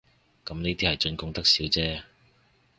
咁呢啲係進貢得少姐